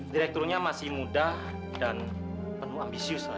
direkturnya masih mudah dan penuh ambisius lagi